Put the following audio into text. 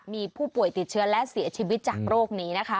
มีผู้ป่วยติดเชื้อและเสียชีวิตจากโรคนี้นะคะ